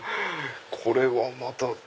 これはまた。